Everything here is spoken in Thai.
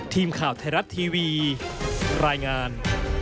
ทีมข่าวไทยรัฐทีวีรายงาน